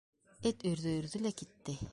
Эт өрҙө-өрҙө лә китте.